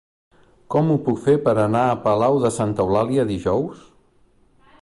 Com ho puc fer per anar a Palau de Santa Eulàlia dijous?